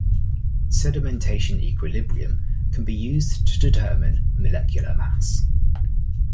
Sedimentation equilibrium can be used to determine molecular mass.